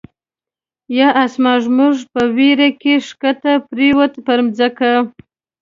یا آسمان زموږ په ویر کی، ښکته پر یووته په ځمکه